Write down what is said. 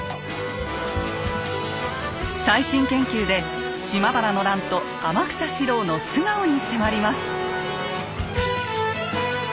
最新研究で島原の乱と天草四郎の素顔に迫ります。